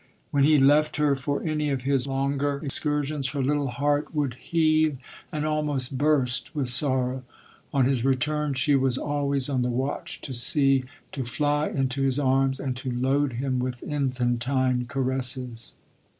When he left her for any of his longer excursions, her little heart 32 LODORE. would heave, and almost burst with sorrow. On his return, she was always on the watch to see, to fly into his arms, and to load him with infantine caresses.